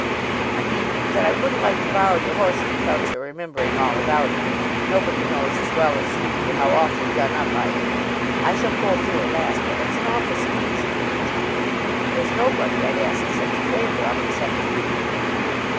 "I mean that I wouldn't like to borrow your horses without your remembering all about it. Nobody knows as well as you do how awfully done up I am. I shall pull through at last, but it's an awful squeeze in the meantime. There's nobody I'd ask such a favour of except you."